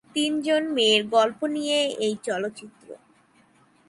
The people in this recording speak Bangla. তিন জন মেয়ের গল্প নিয়ে এই চলচ্চিত্র।